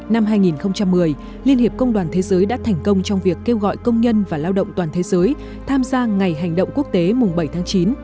năm hai nghìn một mươi liên hiệp công đoàn thế giới đã thành công trong việc kêu gọi công nhân và lao động toàn thế giới tham gia ngày hành động quốc tế mùng bảy tháng chín